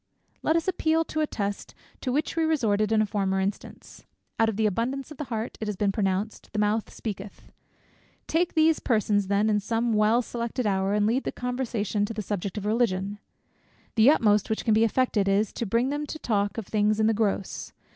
Let us appeal to a test to which we resorted in a former instance. "Out of the abundance of the heart," it has been pronounced, "the mouth speaketh." Take these persons then in some well selected hour, and lead the conversation to the subject of Religion. The utmost which can be effected is, to bring them to talk of things in the gross.